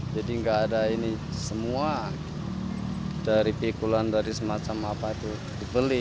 jadi gak ada ini semua dari pikulan dari semacam apa itu dibeli